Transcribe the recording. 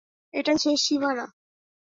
এটাই শেষ সীমানা।